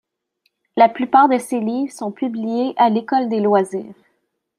La plupart de ses livres sont publiés à L'École des loisirs.